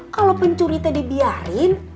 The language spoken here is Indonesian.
kalau pencuri teh dibiarin